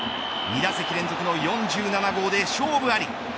２打席連続の４７号で勝負あり。